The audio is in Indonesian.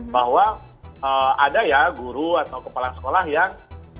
bahwa ada ya guru atau kepala sekolah yang